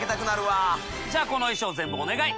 じゃこの衣装全部お願い！